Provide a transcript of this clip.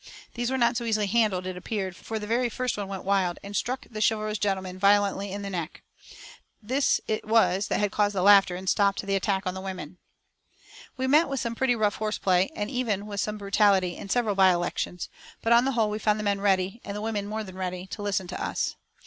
These were not so easily handled, it appeared, for the very first one went wild, and struck the chivalrous gentleman violently in the neck. This it was that had caused the laughter, and stopped the attack on the women. We met with some pretty rough horse play, and even with some brutality, in several by elections, but on the whole we found the men ready, and the women more than ready, to listen to us.